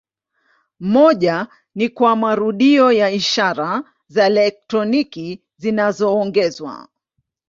Moja ni kwa marudio ya ishara za elektroniki zinazoongezwa.